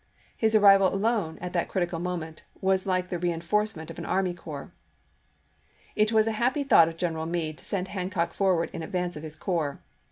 His arrival alone, at that critical moment, was like the rein forcement of an army corps. It was a happy thought of General Meade to send Hancock forward in advance of his corps.